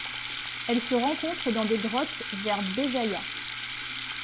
Elle se rencontre dans des grottes vers Béjaïa.